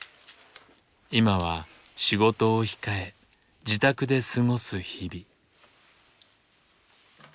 今は仕事を控え自宅で過ごす日々。